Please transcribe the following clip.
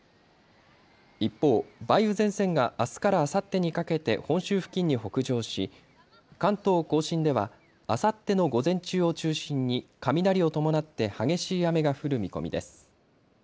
一方、梅雨前線があすからあさってにかけて本州付近に北上し関東甲信ではあさっての午前中を中心に雷を伴って激しい雨が降る見込みです。